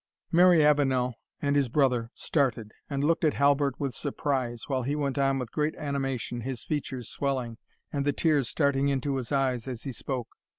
Mary Avenol and his brother started, and looked at Halbert with surprise, while he went on with great animation, his features swelling, and the tears starting into his eyes as he spoke.